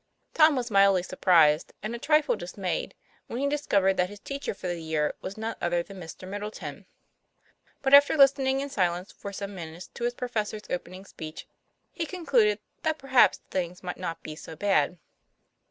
Tom was mildly surprised, and a trifle dismayed, when he discovered that his teacher for the year was none other than Mr. Middleton. But after listening in silence for some minutes to his professor's opening speech, he concluded that perhaps things might not be so bad.